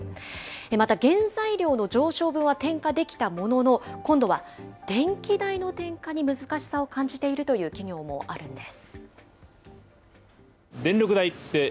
また原材料の上昇分は転嫁できたものの、今度は電気代の転嫁に難しさを感じているという企業もあるんです。